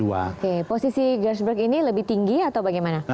oke posisi grassberg ini lebih tinggi atau bagaimana